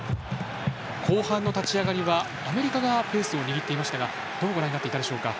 後半の立ち上がりはアメリカがペースを握りましたがどうご覧になっていましたか。